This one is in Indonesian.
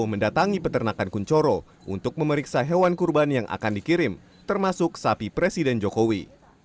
mendatangi peternakan kunchoro untuk memeriksa hewan kurban yang akan dikirim termasuk sapi presiden jokowi